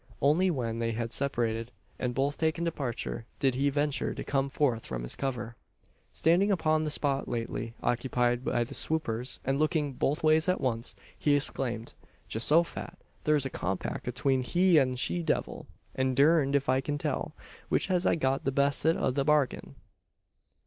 Only when they had separated, and both taken departure did he venture to come forth from his cover. Standing upon the spot lately occupied by the "swoppers," and looking "both ways at once," he exclaimed "Geehosophat! thur's a compack atween a he an' she devil; an' durn'd ef I kin tell, which hez got the bessest o' the bargin!"